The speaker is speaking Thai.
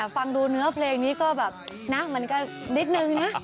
ฟังดูเนื้อเพลงนี้ก็แบบนะมันก็นิดนึงนะ